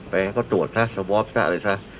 ไปก็ตรวจซะสวอปซะอะไรซะ